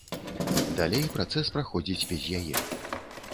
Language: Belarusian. Далей працэс праходзіць без яе.